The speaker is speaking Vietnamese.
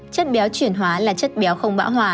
chất béo chuyển hóa là chất béo không bão hòa